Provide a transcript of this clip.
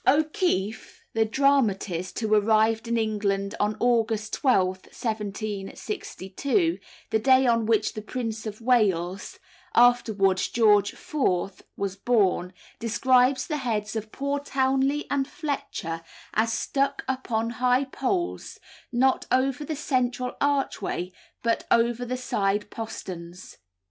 O'Keefe, the dramatist, who arrived in England on August 12, 1762, the day on which the Prince of Wales (afterwards George IV.) was born, describes the heads of poor Townley and Fletcher as stuck up on high poles, not over the central archway, but over the side posterns.